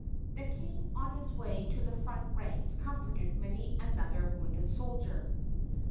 The King on his way to the front ranks comforted many another wounded soldier.